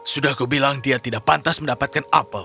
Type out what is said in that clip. sudah kubilang dia tidak pantas mendapatkan apel